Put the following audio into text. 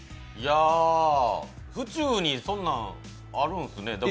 いや、府中にそんなん、あるんですね。